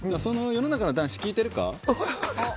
世の中の男子、聞いてるか？